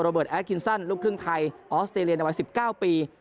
เบิร์ดแอคคินซันลูกครึ่งไทยออสเตรเลียในวัย๑๙ปี